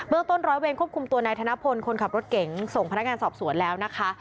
ต้นร้อยเวรควบคุมตัวนายธนพลคนขับรถเก๋งส่งพนักงานสอบสวนแล้วนะคะ